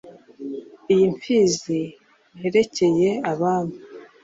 Iyi Mfizi nterekeye Abami